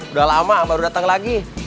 udah lama baru datang lagi